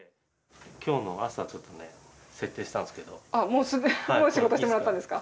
もうもう仕事してもらったんですか。